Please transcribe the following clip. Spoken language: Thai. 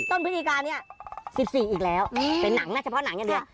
ต้นพิธีการยังอีก๑๔อะไรเป็นหนังมั้ยเฉพาะหนังนี้